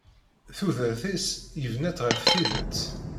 Tudert-is yebna-tt ɣef tidet.